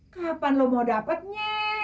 kapan lu mau dapetnya